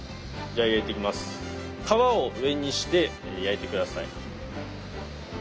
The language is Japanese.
皮を上にして焼いて下さい。